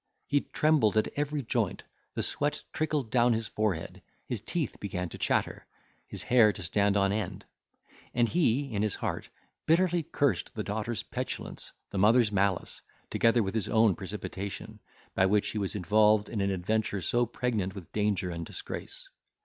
He trembled at every joint, the sweat trickled down his forehead, his teeth began to chatter, his hair to stand on end; and he, in his heart, bitterly cursed the daughter's petulance, the mother's malice, together with his own precipitation, by which he was involved in an adventure so pregnant with danger and disgrace.